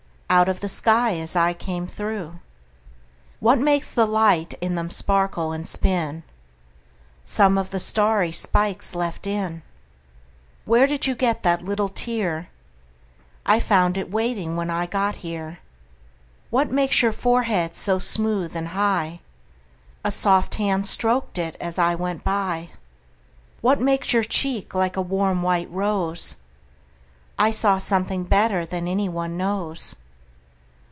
Out of the sky as I came through. What makes the light in them sparkle and spin? Some of the starry spikes left in. Where did you get that little tear?I found it waiting when I got here. What makes your forehead so smooth and high?A soft hand strok'd it as I went by. What makes your cheek like a warm white rose?I saw something better than any one knows.